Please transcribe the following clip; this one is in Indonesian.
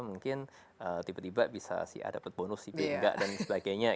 mungkin tiba tiba bisa si a dapat bonus si b enggak dan sebagainya